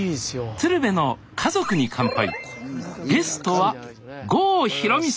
「鶴瓶の家族に乾杯」